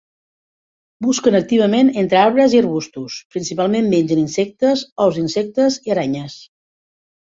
Busquen activament entre arbres i arbustos, principalment mengen insectes, ous d'insectes i aranyes.